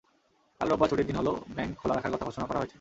কাল রোববার ছুটির দিন হলেও ব্যাংক খোলা রাখার কথা ঘোষণা করা হয়েছে।